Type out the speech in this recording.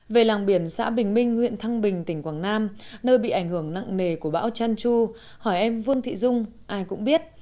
về làng biển xã bình minh huyện thăng bình tỉnh quảng nam nơi bị ảnh hưởng nặng nề của bão chan chu hỏi em vương thị dung ai cũng biết